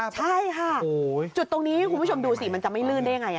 ใช่ค่ะจุดตรงนี้คุณผู้ชมดูสิมันจะไม่ลื่นได้ยังไง